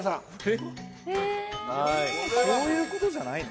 そういう事じゃないの？